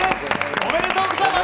おめでとうございます！